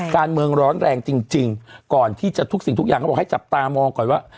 การเมืองร้อนแรงจริงก่อนที่จะทุกสิ่งทุกอย่างเขาบอกให้จับตามองก่อนว่า